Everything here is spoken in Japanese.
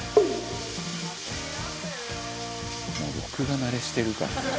「もう録画慣れしてるから」